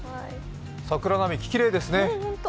桜並木、きれいですね。